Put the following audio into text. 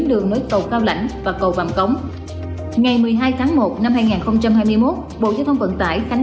đưa vào sử dụng vào năm hai nghìn một mươi bốn